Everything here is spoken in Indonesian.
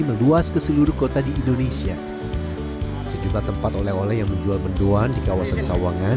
meluas ke seluruh kota di indonesia sejumlah tempat oleh oleh yang menjual mendoan di kawasan sawangan